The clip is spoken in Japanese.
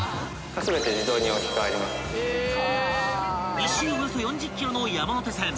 ［１周およそ４０ｋｍの山手線］